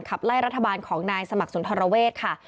ขับไล่รัฐบาลของนายสมัครสุนทรเวศค่ะ